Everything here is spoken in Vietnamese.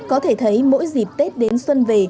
có thể thấy mỗi dịp tết đến xuân về